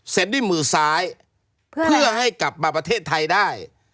ด้วยมือซ้ายเพื่อให้กลับมาประเทศไทยได้